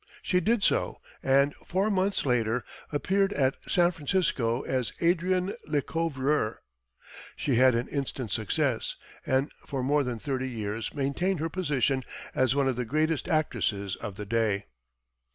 She did so, and four months later appeared at San Francisco as Adrienne Lecouvreur. She had an instant success, and for more than thirty years maintained her position as one of the greatest actresses of the day.